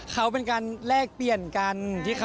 เขาเป็นการแลกเปลี่ยนกัน